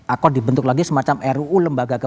ako dibentuk lagi semacam ruu lembaga kepala